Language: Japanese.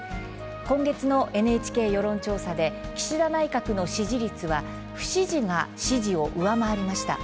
今月のＮＨＫ世論調査で岸田内閣の支持率は不支持が支持を上回りました。